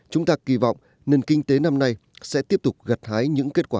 chúng ta kỳ vọng nền kinh tế năm nay sẽ tiếp tục gật hái những kết quả tích cực